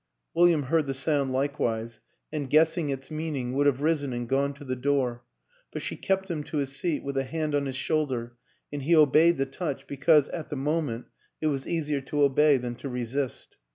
Wil liam heard the sound likewise and, guessing its meaning, would have risen and gone to the door; but she kept him to his seat with a hand on his shoulder and he obeyed the touch because, at the moment, it was easier to obey than to resist.